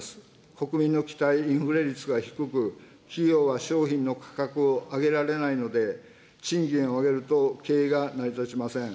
国民の期待インフレ率が低く、企業は商品の価格を上げられないので、賃金を上げると経営が成り立ちません。